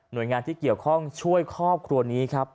หน่วยงานที่เกี่ยวข้องช่วยครอบครัวดนี้